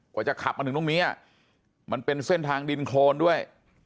จะขับมาถึงตรงนี้มันเป็นเส้นทางดินโครนด้วย